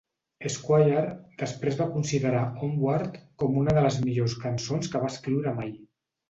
Squire després va considerar "Onward" com una de les millors cançons que va escriure mai.